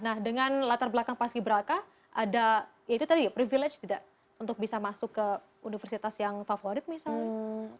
nah dengan latar belakang paski beraka ada ya itu tadi privilege tidak untuk bisa masuk ke universitas yang favorit misalnya